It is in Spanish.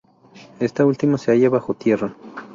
Esta última se halla bajo tierra.